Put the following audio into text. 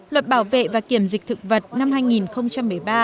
luật bảo vệ và kiểm dịch thực vật năm hai nghìn tám